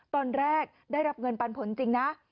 ตอนแรกได้รับเงินปันผลจริงนะ